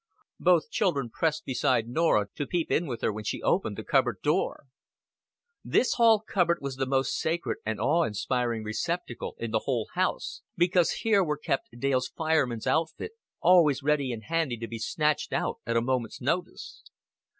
Both children pressed beside Norah to peep in with her when she opened the cupboard door. This hall cupboard was the most sacred and awe inspiring receptacle in the whole house, because here were kept Dale's fireman's outfit always ready and handy to be snatched out at a moment's notice.